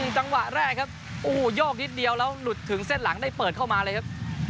จังหวะแรกครับโอ้โหโยกนิดเดียวแล้วหลุดถึงเส้นหลังได้เปิดเข้ามาเลยครับ